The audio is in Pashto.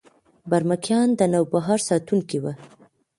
برمکیان د نوبهار ساتونکي وو